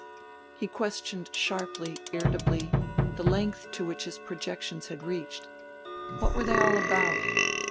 He questioned sharply, irritably, the length to which his projections had reached. What were they all about?